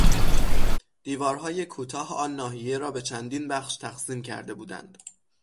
دیوارهای کوتاه آن ناحیه را به چندین بخش تقسیم کرده بودند.